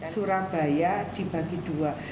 surabaya dibagi dua